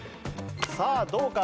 さあどうか？